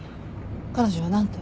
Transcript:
彼女は何と？